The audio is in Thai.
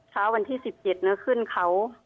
เช้าวันที่๑๗เนื้อขึ้นเขา